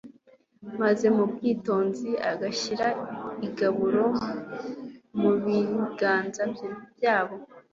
maze mu bwitonzi agashyira igaburo mu biganza byabo